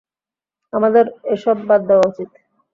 আমাদের এসব বাদ দেওয়া উচিত।